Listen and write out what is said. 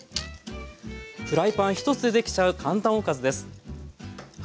フライパン１つで出来ちゃう簡単おかずです。